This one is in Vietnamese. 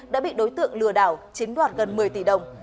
đã bị đối tượng lừa đảo chiếm đoạt gần một mươi tỷ đồng